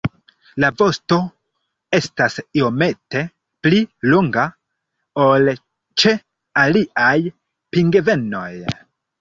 La vosto estas iomete pli longa ol ĉe aliaj pingvenoj.